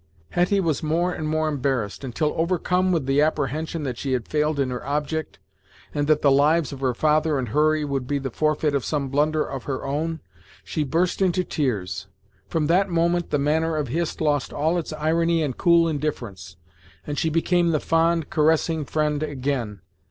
Hetty was more and more embarrassed, until overcome with the apprehension that she had failed in her object, and that the lives of her father and Hurry would be the forfeit of some blunder of her own, she burst into tears. From that moment the manner of Hist lost all its irony and cool indifference, and she became the fond caressing friend again.